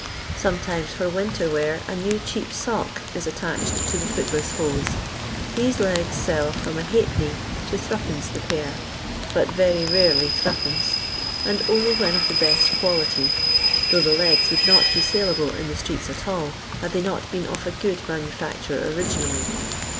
Sometimes for winter wear a new cheap sock is attached to the footleu hose. These legs sell from J[</. to Zd. the pair, but very rarelj 3a., and only when of the best quality, though the legs would not be saleable in the streets at all, had they not been of a good manufacture originally.